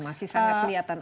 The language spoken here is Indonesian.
masih sangat kelihatan